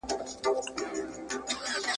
هري ښځي ته روپۍ یې وې منلي ..